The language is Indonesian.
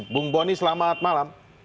bung bonnie selamat malam